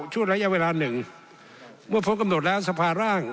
ช่วงระยะเวลาหนึ่งเมื่อพบกำหนดแล้วสภาร่าง